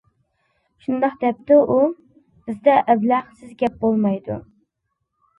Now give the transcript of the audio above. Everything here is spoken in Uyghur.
-شۇنداق، -دەپتۇ ئۇ، -بىزدە «ئەبلەخ» سىز گەپ بولمايدۇ.